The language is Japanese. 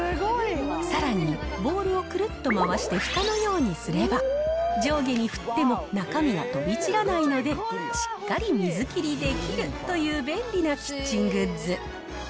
さらにボウルをくるっと回してふたのようにすれば、上下に振っても中身が飛び散らないので、しっかり水切りできるという便利なキッチングッズ。